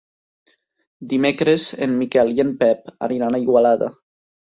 Dimecres en Miquel i en Pep aniran a Igualada.